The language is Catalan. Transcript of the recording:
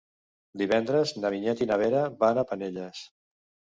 Divendres na Vinyet i na Vera van a Penelles.